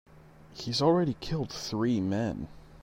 He's already killed three men.